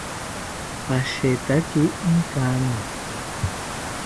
Pashetaki inkani